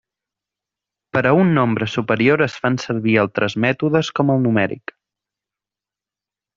Per a un nombre superior es fan servir altres mètodes com el numèric.